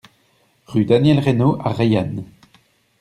Rue Daniel Reynaud à Reillanne